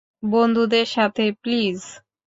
বন্ধুদের সাথে, প্লিজ?